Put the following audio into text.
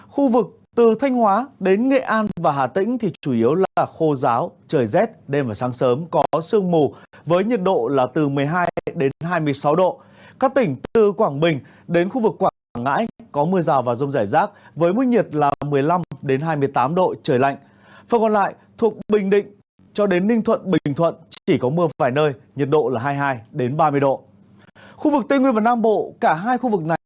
khu vực tây nguyên và nam bộ cả hai khu vực này